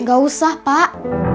gak usah pak